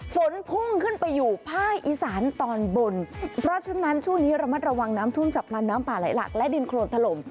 ฝนพุ่งขึ้นไปอยู่ภาคอีสานตอนบนเพราะฉะนั้นช่วงนี้ระมัดระวังน้ำท่วมฉับพลันน้ำป่าไหลหลักและดินโครนถล่ม